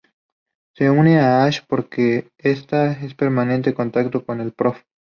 Se une a Ash porque está en permanente contacto con el Prof.